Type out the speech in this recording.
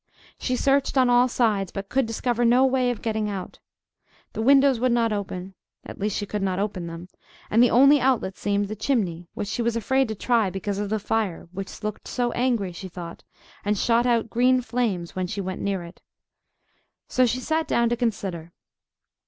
She searched on all sides, but could discover no way of getting out. The windows would not open—at least she could not open them; and the only outlet seemed the chimney, which she was afraid to try because of the fire, which looked angry, she thought, and shot out green flames when she went near it. So she sat down to consider.